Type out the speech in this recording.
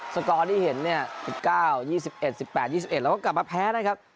สกอร์ทที่เห็น๑๙๒๑๑๘๒๑เราก็กลับมาแพ้นะครับ